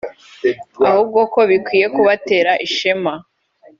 ahubwo ko bikwiye kubatera ishema